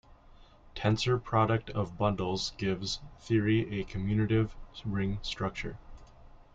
Tensor product of bundles gives -theory a commutative ring structure.